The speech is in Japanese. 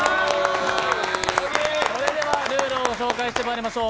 それでは、ルールをご紹介してまいりましょう。